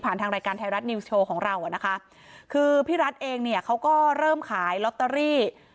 ทางรายการไทยรัฐนิวส์โชว์ของเราอ่ะนะคะคือพี่รัฐเองเนี่ยเขาก็เริ่มขายลอตเตอรี่